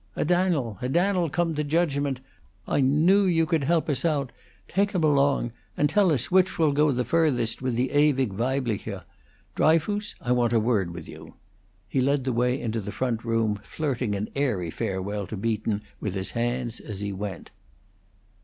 "A Dan'el, a Dan'el come to judgment! I knew you could help us out! Take 'em along, and tell us which will go the furthest with the 'ewig Weibliche.' Dryfoos, I want a word with you." He led the way into the front room, flirting an airy farewell to Beaton with his hand as he went.